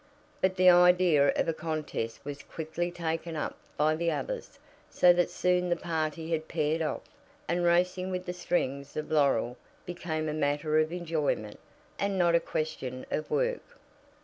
But the idea of a contest was quickly taken up by the others, so that soon the party had paired off, and racing with the strings of laurel became a matter of enjoyment, and not a question of work.